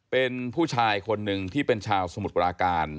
เป็นผู้ชายคนหนึ่งที่เป็นชาวสมุทรปราการ